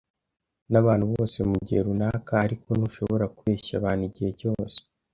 nabantu bose mugihe runaka, ariko ntushobora kubeshya abantu igihe cyose.